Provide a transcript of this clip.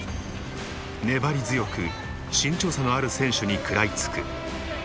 粘り強く身長差のある選手に食らいつく。